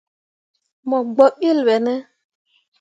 Mo gbǝ ɓilli ɓe ne ?